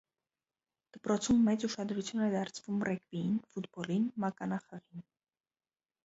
Դպրոցում մեծ ուշադրություն է դարձվում ռեգբին, ֆուտբոլին, մականախաղը։